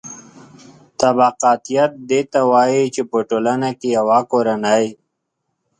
طبقاتیت دې ته وايي چې په ټولنه کې یوه کورنۍ